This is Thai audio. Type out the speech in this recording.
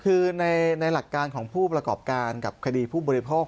คือในหลักการของผู้ประกอบการกับคดีผู้บริโภค